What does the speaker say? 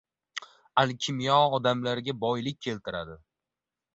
– alkimyo odamlarga boylik keltiradi;